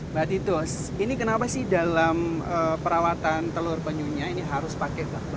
mbak titus ini kenapa sih dalam perawatan telur penyunya ini harus pakai bakso